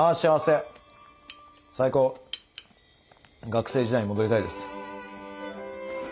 学生時代に戻りたいです。